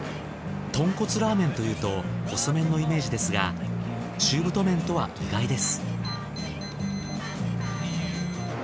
豚骨ラーメンというと細麺のイメージですが中太麺とは意外です。